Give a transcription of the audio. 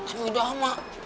aduh udah mah